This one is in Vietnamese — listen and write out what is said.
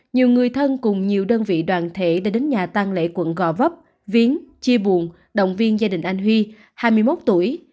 nhiều người thân cùng nhiều đơn vị đoàn thể đã đến nhà tăng lễ quận gò vấp viến chia buồn động viên gia đình anh huy hai mươi một tuổi